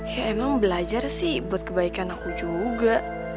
ya emang belajar sih buat kebaikan aku juga